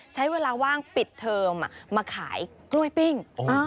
ใช้เวลาว่างปิดเทอมมาขายกล้วยปิ้ง